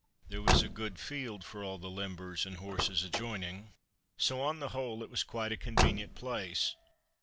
There was a good field for all the limbers and horses adjoining, so on the whole it was quite a convenient place.